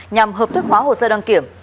nhằm hợp thức hóa hồ sơ đăng kiểm